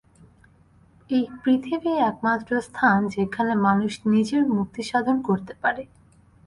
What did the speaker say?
এই পৃথিবীই একমাত্র স্থান, যেখানে মানুষ নিজের মুক্তিসাধন করতে পারে।